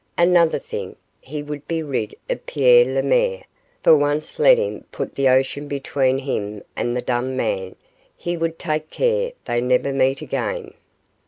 Another thing, he would be rid of Pierre Lemaire, for once let him put the ocean between him and the dumb man he would take care they never met again.